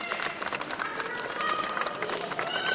このマチの未来を教えてくれ！